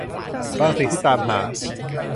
บางสิ่งที่ตามหา